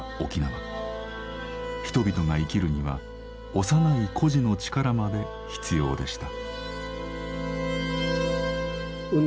人々が生きるには幼い孤児の力まで必要でした。